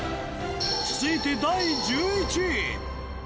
続いて第１１位。